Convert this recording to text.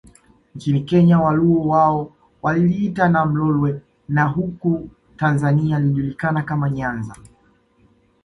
Nchini Kenya Waluo wao waliliita Nam Lolwe na huku Tanzania lilijulikana kama Nyanza